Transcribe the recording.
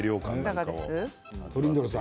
トリンドルさん